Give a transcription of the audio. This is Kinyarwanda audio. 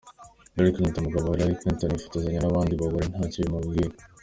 Bill Clinton umugabo wa Hillary Clinton yifotozanya n'abandi bagore ntacyo bimubwiye.